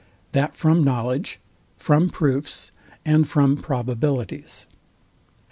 THAT FROM KNOWLEDGE, FROM PROOFS, AND FROM PROBABILITIES.